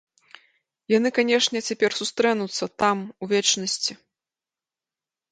Яны, канешне, цяпер сустрэнуцца, там, у вечнасці.